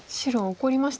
怒りました。